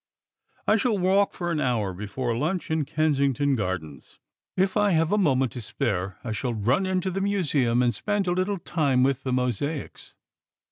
"I shall walk for an hour before lunch in Kensington Gardens. If I have a moment to spare I shall run into the Museum and spend a little time with the mosaics.